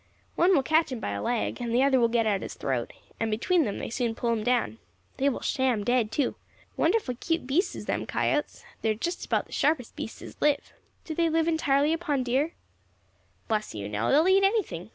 One will catch him by a leg, and the other will get at his throat, and between them they soon pull him down. They will sham dead too. Wonderful 'cute beasts is them coyotes; they are just about the sharpest beasts as live." "Do they live entirely upon deer?" "Bless you, no; they will eat anything.